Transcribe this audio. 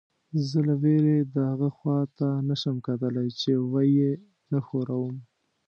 زه له وېرې دهغه خوا ته نه شم کتلی چې ویې نه ښوروم.